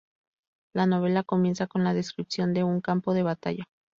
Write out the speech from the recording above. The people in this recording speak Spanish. La novela comienza con la descripción de un campo de batalla.